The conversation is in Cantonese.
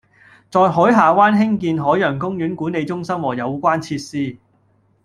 在海下灣興建海洋公園管理中心和有關設施